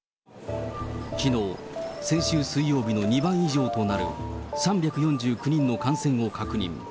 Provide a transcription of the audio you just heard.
きのう、先週水曜日の２倍以上となる３４９人の感染を確認。